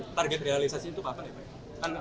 target realisasi itu apa pak